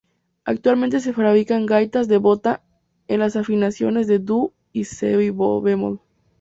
Actualmente se fabrican gaitas de bota en las afinaciones de "do" y "si bemol".